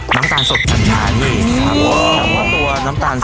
น้ำตาลสดอันการ